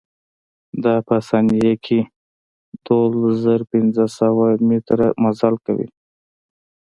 دا په ثانيه کښې دولز زره پنځه سوه مټره مزل کوي.